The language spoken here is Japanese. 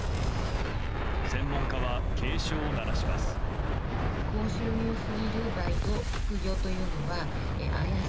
専門家は警鐘を鳴らします。